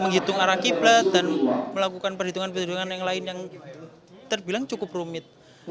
menghitung arah kiblat dan melakukan perhitungan perhitungan yang lain yang terbilang cukup rumit